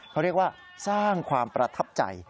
เขาเรียกว่าสร้างความประทับใจ